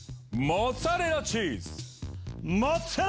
モッツァレラチーズ！